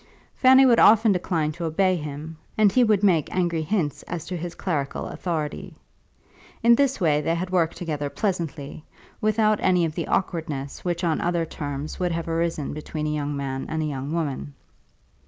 Fanny would often decline to obey him, and he would make angry hints as to his clerical authority. In this way they had worked together pleasantly, without any of the awkwardness which on other terms would have arisen between a young man and a young woman.